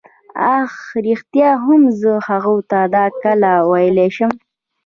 اه ریښتیا هم زه هغو ته دا کله ویلای شم.